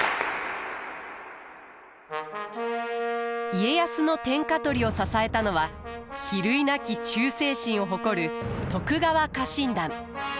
家康の天下取りを支えたのは比類なき忠誠心を誇る徳川家臣団。